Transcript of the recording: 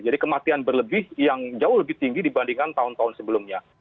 jadi kematian berlebih yang jauh lebih tinggi dibandingkan tahun tahun sebelumnya